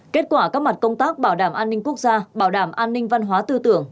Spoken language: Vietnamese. kết quả các mặt công tác bảo đảm an ninh quốc gia bảo đảm an ninh văn hóa tư tưởng